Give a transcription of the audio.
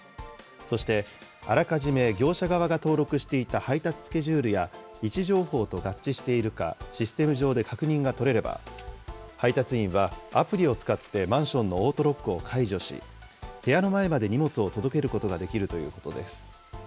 そして、あらかじめ業者側が登録していた配達スケジュールや、位置情報と合致しているか、システム上で確認が取れれば、配達員はアプリを使ってマンションのオートロックを解除し、部屋の前まで荷物を届けることができるということです。